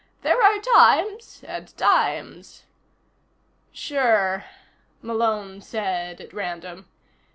"There are times and times." "Sure," Malone said at random.